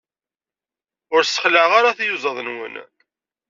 Ur sexlaɛeɣ ara tiyuzaḍ-nwen.